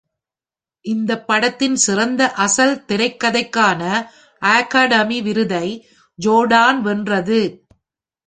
இந்தப் படத்தின் சிறந்த அசல் திரைக்கதைக்கான அகாடமி விருதை ஜோர்டான் வென்றது.